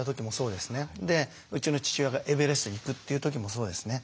でうちの父親がエベレストに行くという時もそうですね。